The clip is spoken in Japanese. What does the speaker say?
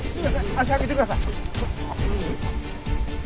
足上げてください。